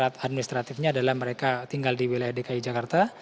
administratifnya adalah mereka tinggal di wilayah dki jakarta